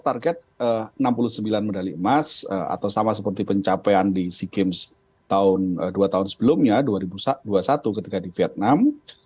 pertama seperti pencapaian di si games tahun dua tahun sebelumnya dua ribu dua puluh satu ketika di vietnam